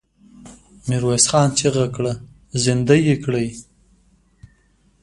ميرويس خان چيغه کړه! زندۍ يې کړئ!